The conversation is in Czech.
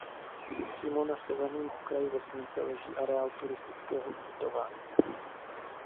Přímo na severním okraji vesnice leží areál turistického ubytování.